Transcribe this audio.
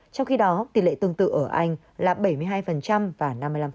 trong khi đó tỷ lệ tương tự ở anh là bảy mươi hai và năm mươi năm